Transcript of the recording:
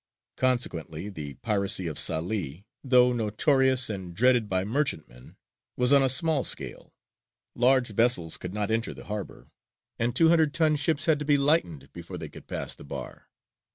Consequently the piracy of Salē, though notorious and dreaded by merchantmen, was on a small scale; large vessels could not enter the harbour, and two hundred ton ships had to be lightened before they could pass the bar.